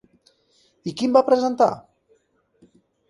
I quin va presentar?